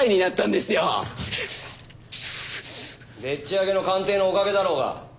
でっち上げの鑑定のおかげだろうが。